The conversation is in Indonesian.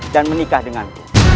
dan menikah denganku